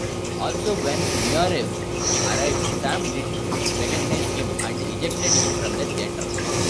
Also when Nureyev arrived, Sam didn't recognize him and ejected him from the theater.